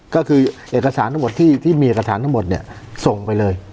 ก็คือเอกสารทั้งหมดที่มีเอกสารทั้งหมดเนี่ยส่งไปเลย